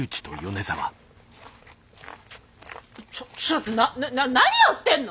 ちょっとな何やってんの！？